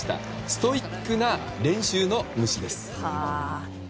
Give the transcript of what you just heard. ストイックな練習の虫です。